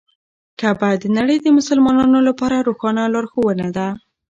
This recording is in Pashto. کعبه د نړۍ د مسلمانانو لپاره روښانه لارښوونه ده.